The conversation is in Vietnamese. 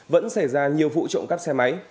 vẫn xảy ra nhiều vụ trộm cắt xe máy